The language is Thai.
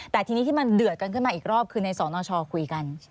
แต่ทีนี้ที่มันเดือดกันขึ้นมาอีกรอบคือในสนชคุยกัน